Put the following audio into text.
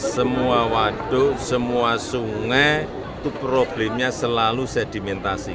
semua waduk semua sungai itu problemnya selalu sedimentasi